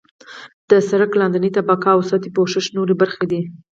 د سرک لاندنۍ طبقه او سطحي پوښښ نورې برخې دي